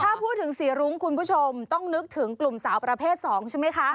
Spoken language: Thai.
ถ้าพูดถึงสีรุ้งคุณผู้ชมต้องนึกถึงกลุ่มสาวประเภท๒ใช่ไหมคะ